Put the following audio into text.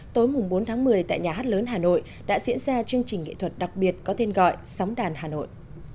tối bốn tháng một mươi tại nhà hát lớn hà nội đã diễn ra chương trình nghệ thuật đặc biệt có tên gọi sóng đàn hà nội